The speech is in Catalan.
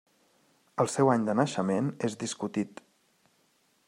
El seu any de naixement és discutit.